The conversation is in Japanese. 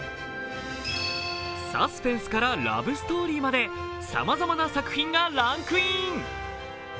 サスペンスからラブストーリーまでさまざまな作品がランクイン。